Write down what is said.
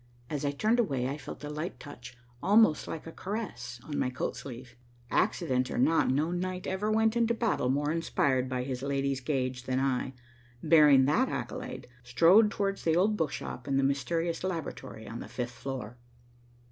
As I turned away, I felt a light touch, almost like a caress, on my coat sleeve. Accident or not, no knight ever went into battle more inspired by his lady's gage than I, bearing that accolade, strode towards the old book shop and the mysterious laboratory on the fifth floor.